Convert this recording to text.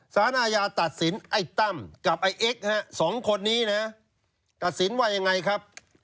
สารอาญาตัดสินไอ้ตั้มกับไอ้เอ็กซ์สองคนนี้นะตัดสินว่ายังไงครับ